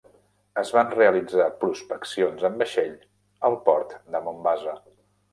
Es van realitzar prospeccions en vaixell al port de Mombasa.